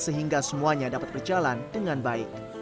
sehingga semuanya dapat berjalan dengan baik